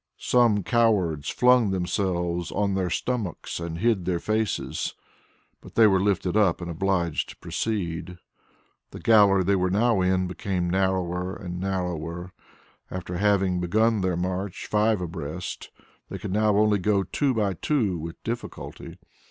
Some cowards flung themselves on their stomachs and hid their faces, but they were lifted up and obliged to proceed. The gallery they were now in became narrower and narrower. After having begun their march five abreast, they could now only go two by two with difficulty.